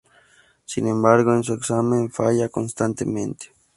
Sin embargo, en su examen falla constantemente.